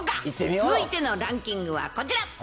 続いてのランキングはこちら。